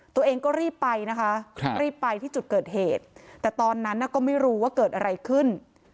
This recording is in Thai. ตัวเองก็รีบไปนะคะรีบไปที่จุดเกิดเหตุแต่ตอนนั้นก็ไม่รู้ว่าเกิดอะไรขึ้น